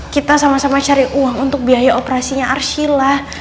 kita sama sama cari uang untuk biaya operasinya arshila